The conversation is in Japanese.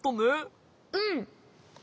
うん。